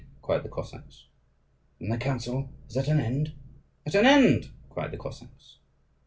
cried the Cossacks. "Then the council is at an end?" "At an end!" cried the Cossacks.